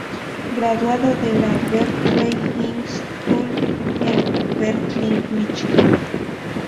Graduado de la "Berkley High School" en Berkley, Míchigan.